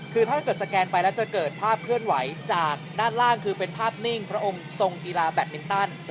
คือถ้าเกิดสแกนไปแล้วจะเกิดภาพเคลื่อนไหวจากด้านล่างคือเป็นภาพนิ่งพระองค์ทรงกีฬาแบตมินตัน